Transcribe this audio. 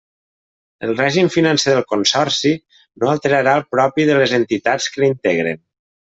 El règim financer del consorci no alterarà el propi de les entitats que l'integren.